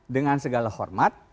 dengan segala hormat